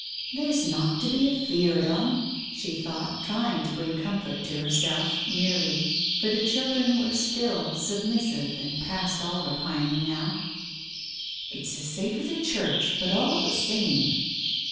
"There's nought to be af eared on," she thought, try ing to bring comfort to herself merely, for the children were still, submissive and past all repining now. "It's as safe as a church, but all the same.